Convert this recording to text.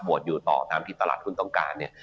อยู่ต่อตามที่ตลาดหุ้นต้องการเนี่ย